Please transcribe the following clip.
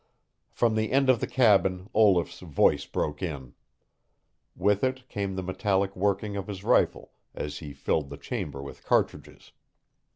From the end of the cabin Olaf's voice broke in. With it came the metallic working of his rifle as he filled the chamber with cartridges.